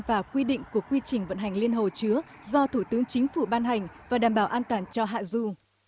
và quy định của quy trình vận hành liên hồ chứa do thủ tướng chính phủ ban hành và đảm bảo an toàn cho hạ du